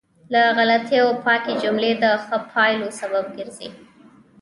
له غلطیو پاکې جملې د ښه پایلو سبب ګرځي.